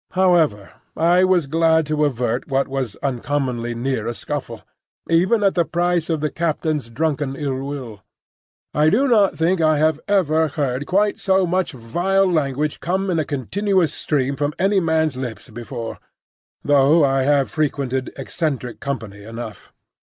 However, I was glad to avert what was uncommonly near a scuffle, even at the price of the captain's drunken ill will. I do not think I have ever heard quite so much vile language come in a continuous stream from any man's lips before, though I have frequented eccentric company enough.